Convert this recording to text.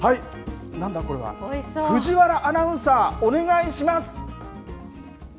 何だこれは藤原アナウンサーお願いします。